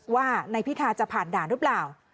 ว่านายพิธาจะผ่านด่านหรือเปล่า